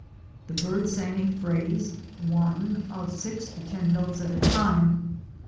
The bird sang a phrase (I) of six to ten notes at a time.